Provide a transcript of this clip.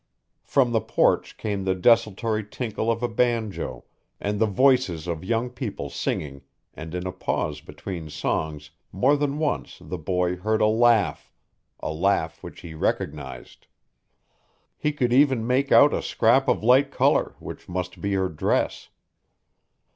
From the porch came the desultory tinkle of a banjo and the voices of young people singing and in a pause between songs more than once the boy heard a laugh a laugh which he recognized. He could even make out a scrap of light color which must be her dress.